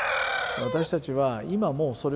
私たちは今もうそれを探そう。